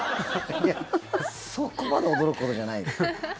そこまで驚くことじゃないです。